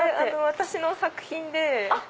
私の作品で。